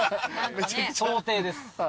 想定です。